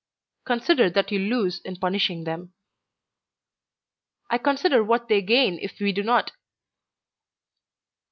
"Consider what you lose in punishing them." "I consider what they gain if we do not."